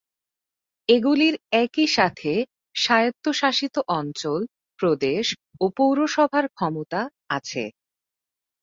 এগুলির একই সাথে স্বায়ত্তশাসিত অঞ্চল, প্রদেশ ও পৌরসভার ক্ষমতা আছে।